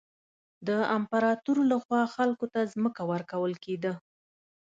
د امپراتور له خوا خلکو ته ځمکه ورکول کېده.